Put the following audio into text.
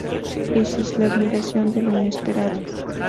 Crisis: La administración de lo inesperado.